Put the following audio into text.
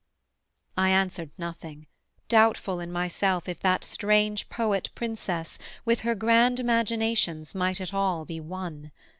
I answered nothing, doubtful in myself If that strange Poet princess with her grand Imaginations might at all be won.